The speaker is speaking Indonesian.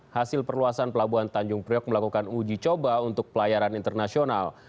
hasil perluasan pelabuhan tanjung priok melakukan uji coba untuk pelayaran internasional